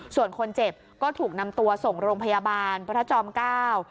ส่วนคนเจ็บก็ถูกนำตัวส่งโรงพยาบาลพระจอมเก้า